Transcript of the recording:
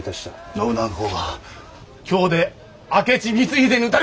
信長公が京で明智光秀に討たれました！